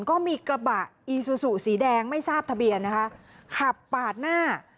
ก็มีกระบะอีซูซูสีแดงไม่ทราบทะเบียนนะคะขับปาดหน้า